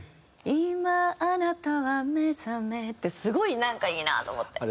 「今あなたは目ざめ」ってすごいなんかいいなと思って。